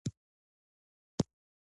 د اسلام اساس او بنسټونه ثابت دي.